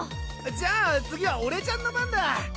じゃあ次は俺ちゃんの番だ！